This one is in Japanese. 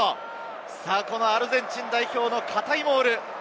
アルゼンチン代表の堅いモール。